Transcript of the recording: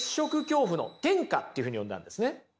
恐怖の転化っていうふうに呼んだんですね。